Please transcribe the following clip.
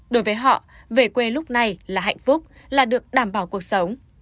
đối với họ về quê lúc này là hạnh phúc là được đảm bảo cuộc sống